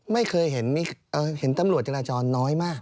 ไม่เคยเห็นมีกเอ่อเห็นตำรวจจรจรน้อยมาก